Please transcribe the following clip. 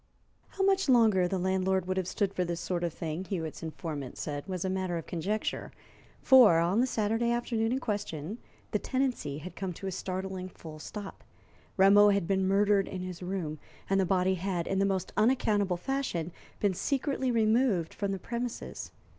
How much longer the landlord would have stood this sort of thing, Hewitt's informant said, was a matter of conjecture, for on the Saturday afternoon in question the tenancy had come to a startling full stop. Rameau had been murdered in his room, and the body had, in the most unaccountable fashion, been secretly removed from the premises.